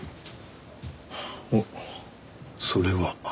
おっそれは？